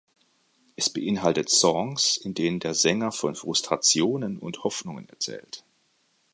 Es beinhaltet Songs, in denen der Sänger von Frustrationen und Hoffnungen erzählt.